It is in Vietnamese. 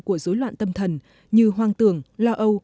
của dối loạn tâm thần như hoang tường lo âu